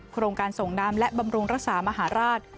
โครงการส่งน้ำและบำรุงรักษามหาราช